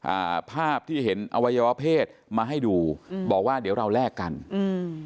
อ่าภาพที่เห็นอวัยวะเพศมาให้ดูอืมบอกว่าเดี๋ยวเราแลกกันอืม